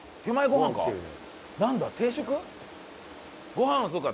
ご飯はそうか。